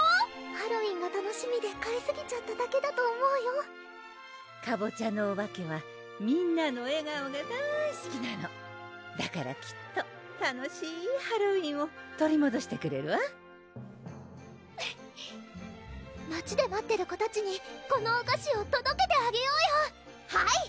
ハロウィーンが楽しみで買いすぎちゃっただけだと思うよかぼちゃのお化けはみんなの笑顔がだいすきなのだからきっと楽しいハロウィーンを取りもどしてくれるわ街で待ってる子たちにこのお菓子をとどけてあげようよはい！